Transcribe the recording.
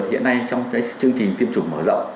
thì hiện nay trong chương trình tiêm chủng mở rộng